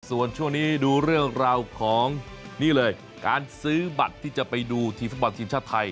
ส่วนช่วงนี้ดูเรื่องราวของนี่เลยการซื้อบัตรที่จะไปดูทีมฟุตบอลทีมชาติไทย